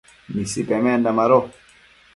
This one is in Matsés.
Nisi pemenda mado